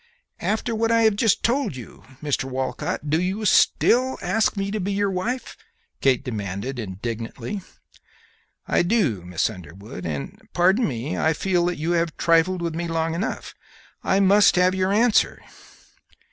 "After what I have just told you, Mr. Walcott, do you still ask me to be your wife?" Kate demanded, indignantly. "I do, Miss Underwood; and, pardon me, I feel that you have trifled with me long enough; I must have your answer."